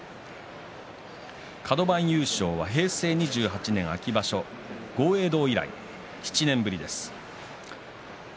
カド番優勝は平成２８年秋場所豪栄道以来、７年ぶりです。